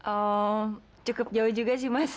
oh cukup jauh juga sih mas